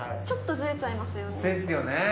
ちょっとズレちゃいますよね。